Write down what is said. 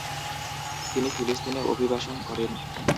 তিনি ফিলিস্তিনে অভিবাসন করেন।